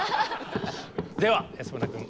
では安村君。